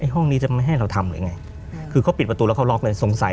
ห้องนี้จะไม่ให้เราทำหรือไงคือเขาปิดประตูแล้วเขาล็อกเลยสงสัย